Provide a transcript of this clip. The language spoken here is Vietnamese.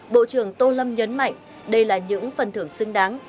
bộ trưởng tô lâm nhấn mạnh đây là những phần thưởng xứng đáng